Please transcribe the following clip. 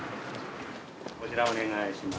こちらお願いします。